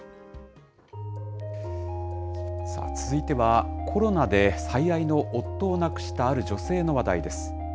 続いては、コロナで最愛の夫を亡くしたある女性の話題です。